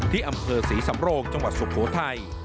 ที่อำเภอศรีสำโรงจังหวัดสุโขทัย